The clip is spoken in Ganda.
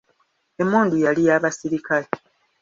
Emmundu yali ya basirikale.